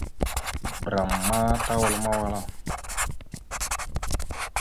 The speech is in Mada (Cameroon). Bəram ma tawal mawala.